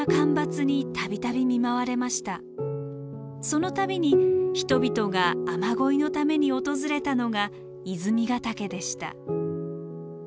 その度に人々が雨乞いのために訪れたのが泉ヶ岳でした。